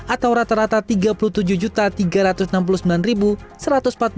atau rata rata rp tiga puluh tujuh tiga ratus enam puluh sembilan seratus